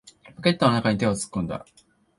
ポケットの中に手を突っ込んだ。